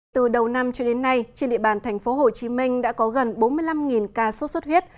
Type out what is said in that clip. từ đầu năm cho đến nay trên địa bàn thành phố hồ chí minh đã có gần bốn mươi năm ca sốt xuất huyết